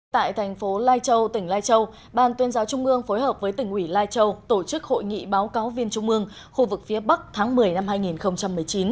tại thành phố lai châu tỉnh lai châu ban tuyên giáo trung ương phối hợp với tỉnh ủy lai châu tổ chức hội nghị báo cáo viên trung ương khu vực phía bắc tháng một mươi năm hai nghìn một mươi chín